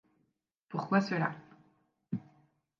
Pourquoi cela ?